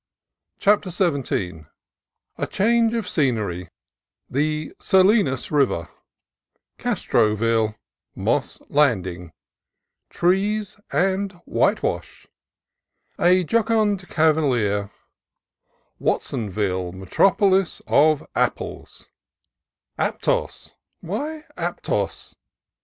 CHAPTER XVII A change of scenery — The Salinas River — Castroville — Moss Landing — Trees: and whitewash — A jocund cavalier — Wat sonville, metropolis of apples — Aptos: why Aptos?